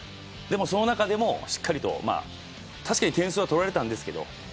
その中でもしっかりとたしかに点数は取られましたけど。